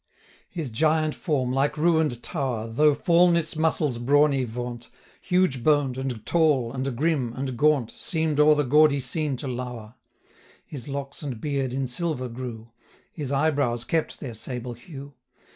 His giant form, like ruin'd tower, 415 Though fall'n its muscles' brawny vaunt, Huge boned, and tall, and grim, and gaunt, Seem'd o'er the gaudy scene to lower: His locks and beard in silver grew; His eyebrows kept their sable hue.